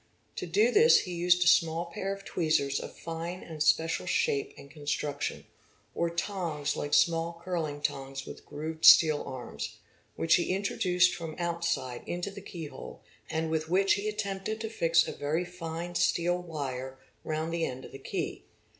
To do this he used a small pair of steel tweezers of fine and special shape and construction, or tongs like small curling tongs with grooved steel arms, which he introduced from outside into the keyhole and with which he attempted to fix a very fine steel wire round the end of the key.